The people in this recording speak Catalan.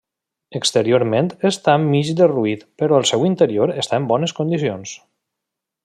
Exteriorment està mig derruït però el seu interior està en bones condicions.